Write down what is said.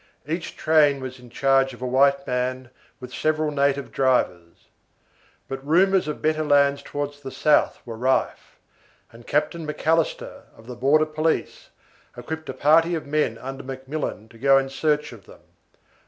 Each train was in charge of a white man, with several native drivers. But rumours of better lands towards the south were rife, and Captain Macalister, of the border police, equipped a party of men under McMillan to go in search of them.